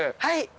はい。